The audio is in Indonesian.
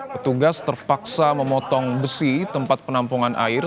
petugas terpaksa memotong besi tempat penampungan air